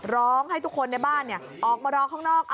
ร้องให้ทุกคนในบ้านออกมารอข้างนอก